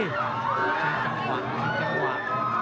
ชิงจังหวังชิงจังหวัง